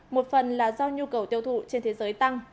một phần là do nhu cầu tiêu thụ trên thế giới tăng